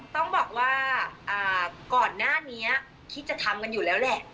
ต้องบอกว่าก่อนหน้านี้คิดจะทำกันอยู่แล้วแหละ